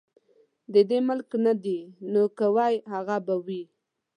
د دې ملک نه دي نو که وه هغه به وي.